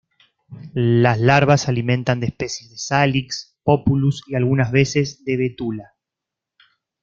Las larvas se alimentan de especies de "Salix", "Populus" y algunas veces de "Betula".